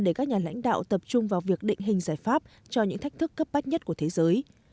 để các nhà lãnh đạo tập trung vào việc định hình giải pháp cho những thách thức cấp bách nhất của thế giới